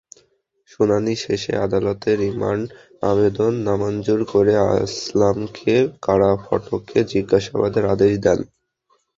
শুনানি শেষে আদালত রিমান্ড আবেদন নামঞ্জুর করে আসলামকে কারাফটকে জিজ্ঞাসাবাদের আদেশ দেন।